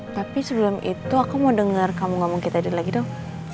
tapi sebelum itu aku mau denger kamu ngomong ke tadi lagi dong